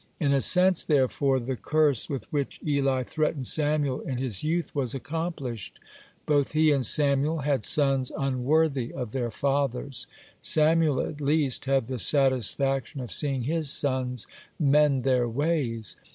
(44) In a sense, therefore, the curse with which Eli threatened Samuel in his youth was accomplished: both he and Samuel had sons unworthy of their fathers. (45) Samuel at least had the satisfaction of seeing his sons mend their ways.